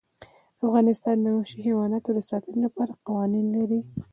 افغانستان د وحشي حیواناتو د ساتنې لپاره قوانین لري.